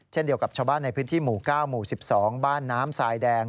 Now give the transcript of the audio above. เช่นเดียวกับชาวบ้านในพื้นที่หมู่๙หมู่๑๒บ้านน้ำทรายแดง